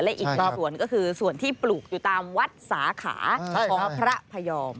และอีกหนึ่งส่วนก็คือส่วนที่ปลูกอยู่ตามวัดสาขาของพระพยอม